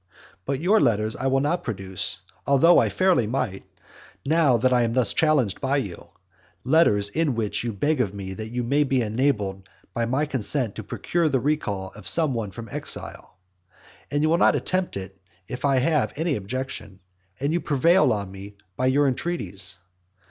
But your letters I will not produce, although I fairly might, now that I am thus challenged by you; letters in which you beg of me that you may be enabled by my consent to procure the recall of some one from exile; and you will not attempt it if I have any objection, and you prevail on me by your entreaties.